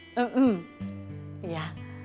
jadi kita berkabar ya